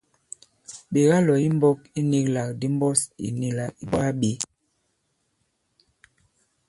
Ɓè kalɔ̀ i mbɔ̄k i nīglàk ndi mbɔs ì nì là ì bwaa bě.